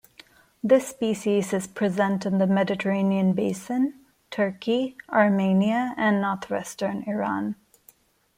This species is present in the Mediterranean Basin, Turkey, Armenia and northwestern Iran.